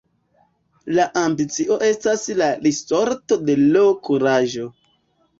La ambicio estas la risorto de l' kuraĝo.